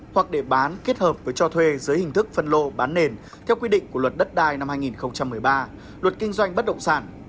hoặc để bán kết hợp với cho thuê dưới hình thức phân lô bán nền theo quy định của luật đất đai năm hai nghìn một mươi ba luật kinh doanh bất động sản